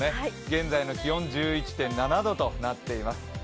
現在の気温１１．７度となっています。